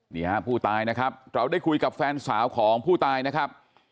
นี่ฮะผู้ตายนะครับเราได้คุยกับแฟนสาวของผู้ตายนะครับ